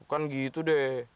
tuh kan gitu deh